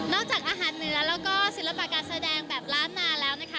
จากอาหารเหนือแล้วก็ศิลปะการแสดงแบบล้านนาแล้วนะคะ